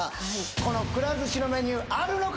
このくら寿司のメニューあるのか？